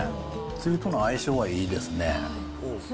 つゆとの相性はいいですね。